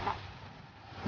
udah ada usus goreng